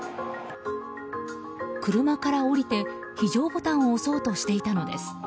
車から降りて、非常ボタンを押そうとしていたのです。